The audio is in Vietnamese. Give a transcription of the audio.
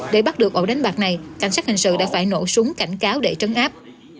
để bắt được ổ đánh bạc này cảnh sát hình sự đã phải nổ súng cảnh cáo để trấn áp